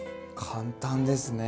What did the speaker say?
簡単ですね！